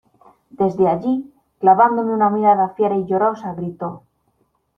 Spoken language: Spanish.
desde allí, clavándome una mirada fiera y llorosa , gritó: